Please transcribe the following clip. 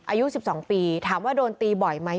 อายุ๑๒ปีถามว่าโดนตีบ่อยไหม